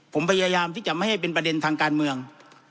ผมพยายามที่จะไม่ให้เป็นประเด็นทางการเมือง